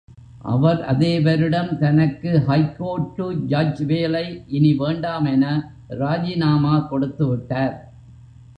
அவர் அதே வருடம் தனக்கு ஹைகோர்ட்டு ஜட்ஜ் வேலை இனி வேண்டாமென ராஜினாமா கொடுத்துவிட்டார்!